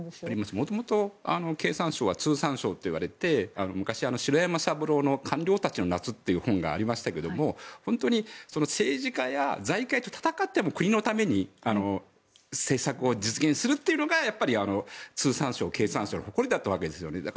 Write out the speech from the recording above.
元々、経産省は通産省といわれて昔、シロヤマ・サブロウの「官僚たちの夏」という本がありましたけど本当に政治家や財界と戦って国のために政策を実現するというのが通産省、経産省の誇りだったわけですね。